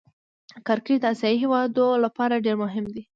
کرکټ د آسيايي هېوادو له پاره ډېر مهم دئ.